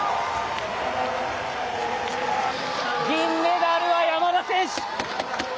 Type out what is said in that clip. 銀メダルは山田選手。